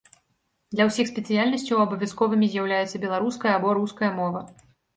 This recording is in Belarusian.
Для ўсіх спецыяльнасцяў абавязковымі з'яўляюцца беларуская або руская мова.